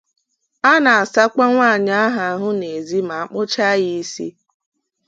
a na-asakwa nwaanyị ahụ àhụ n'èzí ma a kpụchaa ya isi